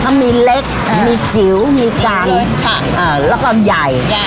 ถ้ามีเล็กมีจิ๋วมีกลางค่ะเอ่อแล้วก็ใหญ่ใหญ่